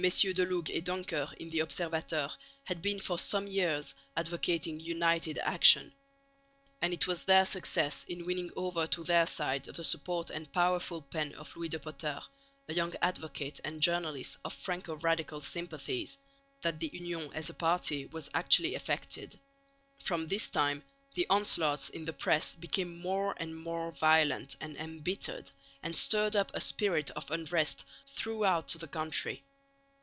D'Ellougue and Donker in the Observateur had been for some years advocating united action; and it was their success in winning over to their side the support and powerful pen of Louis de Potter, a young advocate and journalist of Franco radical sympathies, that the Union, as a party, was actually effected. From this time the onslaughts in the press became more and more violent and embittered, and stirred up a spirit of unrest throughout the country.